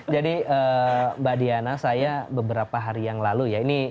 jadi mbak diana saya beberapa hari yang lalu ya ini